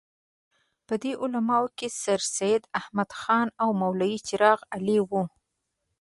په دې علماوو کې سرسید احمد خان او مولوي چراغ علي وو.